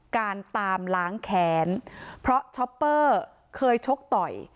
การตามล้างแค้นเพราะช็อปเปอร์เคยชกต่อย